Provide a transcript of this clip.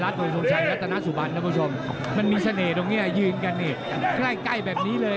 ถึงแค่พอสารอาวุธไม่ถึงตัวแรมพีเลย